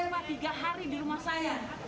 saya rawat anak saya tiga hari di rumah saya